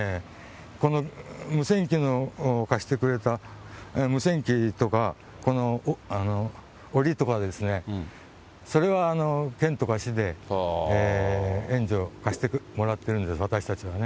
この無線機を貸してくれた、無線機とか、おりとかはですね、それは県とか市で援助、貸してもらってるんです、私たちはね。